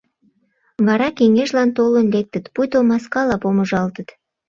Вара кеҥежлан толын лектыт, пуйто маскала помыжалтыт.